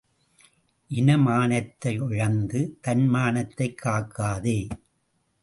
இனமானத்தை இழந்து தன்மானத்தைக் காக்காதே!